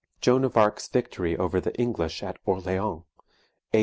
JOAN OF ARC'S VICTORY OVER THE ENGLISH AT ORLEANS, A.